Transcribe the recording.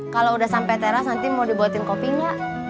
kalo udah sampe teras nanti mau dibuatin kopi gak